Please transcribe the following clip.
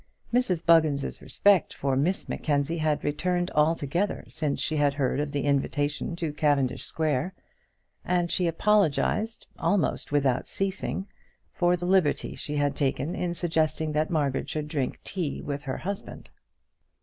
Mrs Buggins' respect for Miss Mackenzie had returned altogether since she had heard of the invitation to Cavendish Square, and she apologised, almost without ceasing, for the liberty she had taken in suggesting that Margaret should drink tea with her husband.